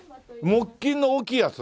木琴の大きいやつ？